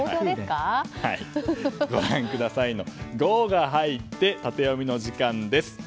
ご覧くださいの「ゴ」が入ってタテヨミの時間です。